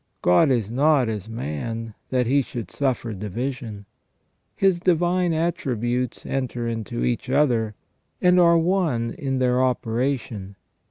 God is not as man, that He should suffer division. His divine attributes enter into each other, and are on.e in their operation.